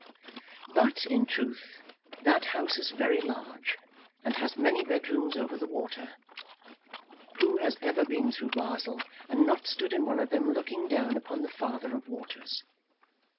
But, in truth, that house is very large, and has many bedrooms over the water. Who has ever been through Basle, and not stood in one of them, looking down upon the father of waters?